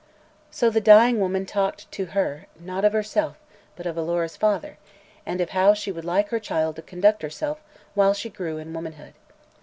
So the dying woman talked to her, not of herself, but of Alora's father, and of how she would like her child to conduct herself while she grew in womanhood.